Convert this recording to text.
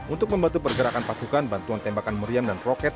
untuk membantu pergerakan pasukan bantuan tembakan meriam dan roket